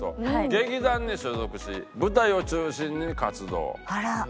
劇団に所属し舞台を中心に活動。